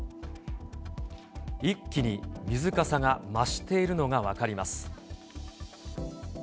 一気に水かさが増しているのが分かります。